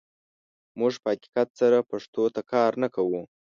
موږ په حقیقت سره پښتو ته کار نه کوو.